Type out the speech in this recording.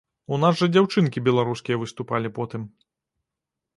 У нас жа дзяўчынкі беларускія выступалі потым.